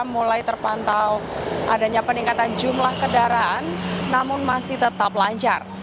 mulai terpantau adanya peningkatan jumlah kendaraan namun masih tetap lancar